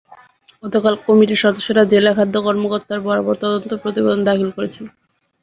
গতকাল কমিটির সদস্যরা জেলা খাদ্য কর্মকর্তার বরাবর তদন্ত প্রতিবেদন দাখিল করেছেন।